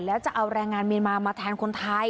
แล้วจะเอาแรงงานเมียนมามาแทนคนไทย